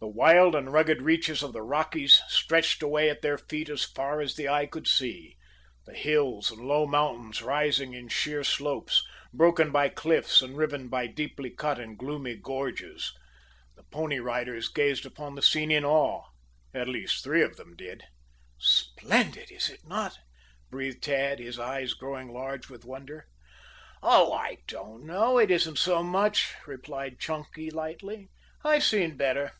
The wild and rugged reaches of the Rockies stretched away at their feet as far as the eye could see, the hills and low mountains rising in sheer slopes, broken by cliffs and riven by deeply cut and gloomy gorges. The Pony Riders gazed upon the scene in awe at least three of them did. "Splendid, is it not?" breathed Tad, his eyes growing large with wonder. "Oh, I don't know. It isn't so much," replied Chunky lightly. "I've seen better.